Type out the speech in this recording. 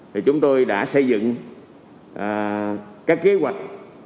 thì chúng tôi đã xây dựng các kế hoạch